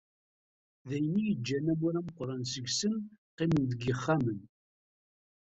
D ayen i yeǧǧan amur ameqqran seg-sen qqimen deg yixxamen.